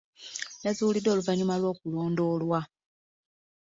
Yazuuliddwa oluvannyuma lw'okulondoolwa.